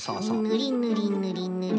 ぬりぬりぬりぬり。